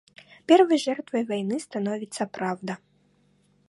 Первой жертвой войны становится правда